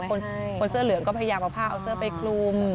คนเสื้อเหลืองก็พยายามเอาผ้าเอาเสื้อไปคลุม